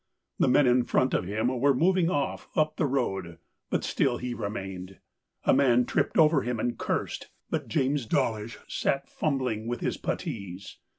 The men in front of him were moving off up the road, but still he remained. A man tripped over him and cursed, but James Dawlish sat fumbling with his putties.